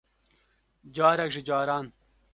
Carek ji caran